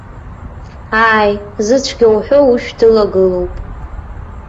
Ааи, зыцәгьа уҳәо ушә дылагылоуп!